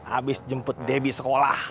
abis jemput debbie sekolah